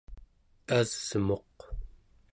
asmuq